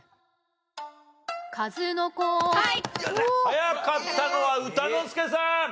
早かったのは歌之助さん。